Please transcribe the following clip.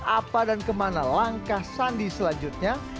apa dan kemana langkah sandi selanjutnya